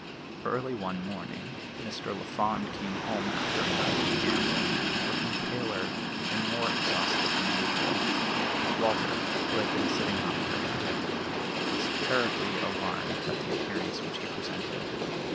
Early one morning Mr. Lafond came home, after a night of gambling, looking paler and more exhausted than usual. Walter, who had been sitting up for him, was terribly alarmed at the appearance which he presented.